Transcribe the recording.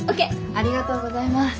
ありがとうございます。